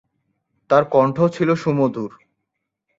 তাঁর কণ্ঠ ছিল শুমধুর।